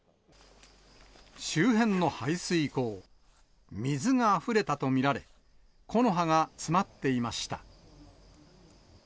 周辺の排水溝、水があふれたと見られ、木の葉が詰まっていました。